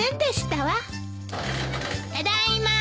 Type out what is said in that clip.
ただいま。